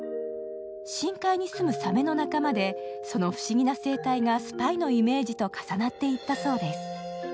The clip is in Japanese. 深海にすむサメの仲間で、その不思議な生態がスパイのイメージと重なっていったそうです。